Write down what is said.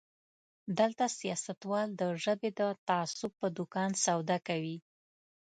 دلته سياستوال د ژبې د تعصب په دوکان سودا کوي.